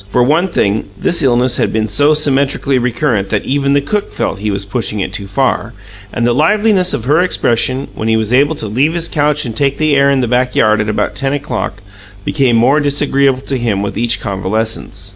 For one thing, this illness had become so symmetrically recurrent that even the cook felt that he was pushing it too far, and the liveliness of her expression, when he was able to leave his couch and take the air in the backyard at about ten o'clock, became more disagreeable to him with each convalescence.